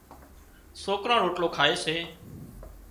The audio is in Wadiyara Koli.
سوڪران روٽلو کائي سي